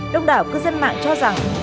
đông đảo cư dân mạng cho rằng